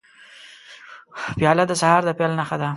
پیاله د سهار د پیل نښه ده.